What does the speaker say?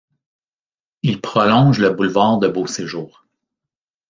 Il prolonge le boulevard de Beauséjour.